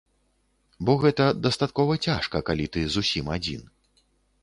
Бо гэта дастаткова цяжка, калі ты зусім адзін.